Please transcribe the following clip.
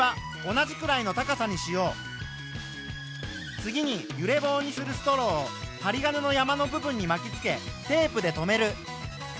次に「揺れ棒」にするストローをはり金の山の部分にまきつけテープでとめる。